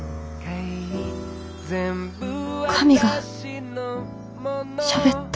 神がしゃべった